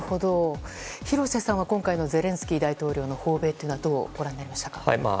廣瀬さんは今回のゼレンスキー大統領の訪米というのはどうご覧になりましたか？